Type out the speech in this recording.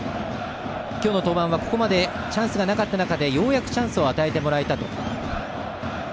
今日の登板はチャンスがなかった中でようやくチャンスを与えてもらえたと。